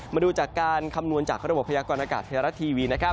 มาดูจากการคำนวณจากระบบพยากรณากาศเทศรัทย์ทีวี